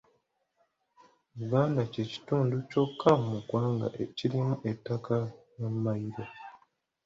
Buganda kye kitundu kyokka mu ggwanga ekirimu ettaka lya Mmayiro.